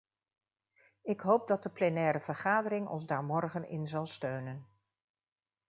Ik hoop dat de plenaire vergadering ons daar morgen in zal steunen.